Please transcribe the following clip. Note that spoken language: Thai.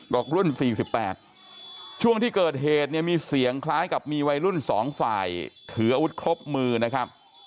บอกรุ่น๔๘ช่วงที่เกิดเหตุเนี่ยมีเสียงคล้ายกับมีวัยรุ่น๒ฝ่ายถืออาวุธครบมือนะครับ